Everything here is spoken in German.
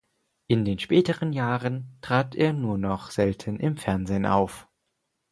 In den späteren Jahren trat er nur noch selten im Fernsehen auf.